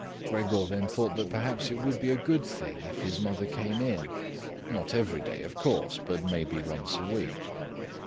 Gregor then thought that perhaps it would be a good thing if his mother came in, not every day, of course, but maybe once a week.